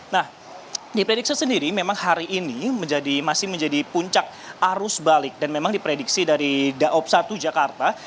nah diprediksi sendiri memang hari ini masih menjadi puncak arus balik dan memang diprediksi dari daob satu jakarta